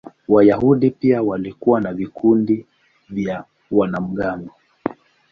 Wayahudi pia walikuwa na vikundi vya wanamgambo.